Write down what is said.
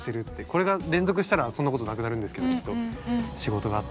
これが連続したらそんなことなくなるんですけどきっと。